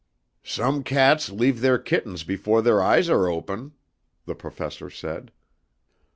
"Some cats leave their kittens before their eyes are open," the Professor said.